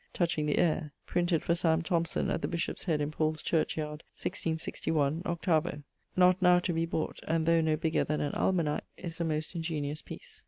touching the aire: printed for Sam. Thomson at the Bishop's head in Paule's churchyard, 1661, 8vo: not now to be bought, and, though no bigger then an almanack, is a most ingeniose piece.